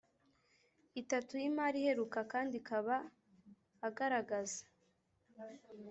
itatu y imari iheruka kandi kaba agaragaza